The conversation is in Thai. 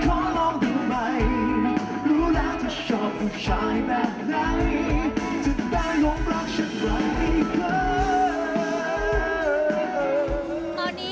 จะแปลงหลงรักฉันไว้